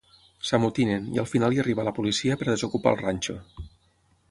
S'amotinen, i al final hi arriba la policia per a desocupar el ranxo.